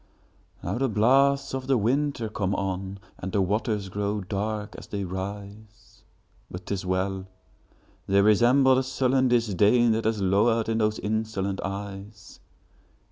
Now the blasts of the winter come on, And the waters grow dark as they rise! But 't is well!—they resemble the sullen disdainThat has lowered in those insolent eyes.